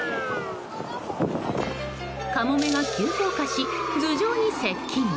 カモメが急降下し、頭上に接近！